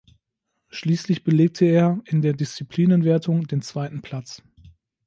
Schließlich belegte er in der Disziplinenwertung den zweiten Platz.